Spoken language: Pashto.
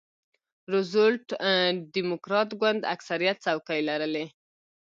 روزولټ ډیموکراټ ګوند اکثریت څوکۍ لرلې.